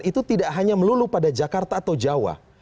itu tidak hanya melulu pada jakarta atau jawa